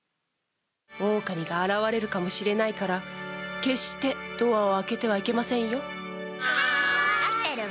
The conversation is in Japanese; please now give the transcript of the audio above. オオカミが現れるかもしれないから決してドアを開けてはいけませんよ。